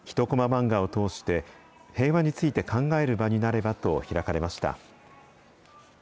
漫画を通して、平和について考える場になればと開かれました。